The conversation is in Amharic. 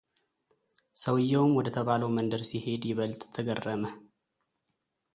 ሰውየውም ወደተባለው መንደር ሲሄድ ይበልጥ ተገረመ፡፡